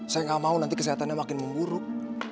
saya nggak mau nanti kesehatannya makin memburuk